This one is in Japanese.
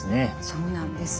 そうなんです。